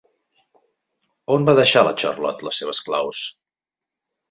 On va deixar la Charlotte les seves claus?